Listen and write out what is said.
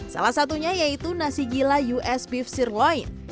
salah satunya yaitu nasi gila us beef cirloin